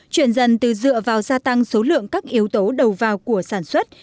chuyển dần từ dựa vào gia tăng số lượng các yếu tố đầu vào của sản xuất